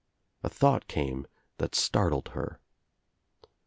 A thought came that startled her.